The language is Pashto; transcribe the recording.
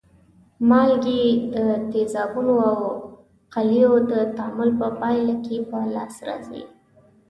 مالګې د تیزابو او القلیو د تعامل په پایله کې په لاس راځي.